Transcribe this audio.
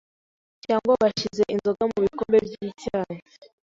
cyangwa bashyize inzoga mu bikombe by’icyayi